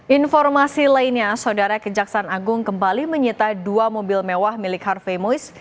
informasi lainnya saudara kejaksaan agung kembali menyita dua mobil mewah milik harvey muiz